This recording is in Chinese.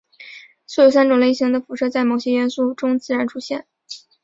所有三种类型的辐射在某些元素中自然出现。